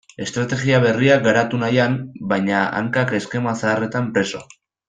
Estrategia berriak garatu nahian, baina hankak eskema zaharretan preso.